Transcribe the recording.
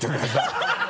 ハハハ